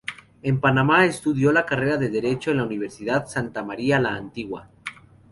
En Panamá estudió la carrera de Derecho en la Universidad Santa María la Antigua.